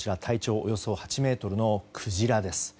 およそ８ｍのクジラです。